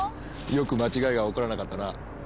よく間違いが起こらなかったな。